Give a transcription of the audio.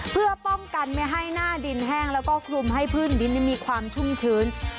เพื่อป้องกันไม่ให้หน้าดินแห้งแล้วก็คลุมให้พื้นดินมีความชุ่มชื้น